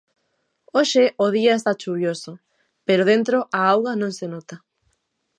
Hoxe o día está chuvioso, pero dentro a auga non se nota.